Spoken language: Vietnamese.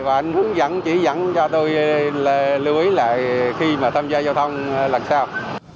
và anh hướng dẫn chỉ dẫn cho tôi lưu ý lại khi mà tham gia giao thông lần sau